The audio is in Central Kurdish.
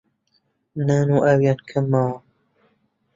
نان و ئاویان کەم ماوە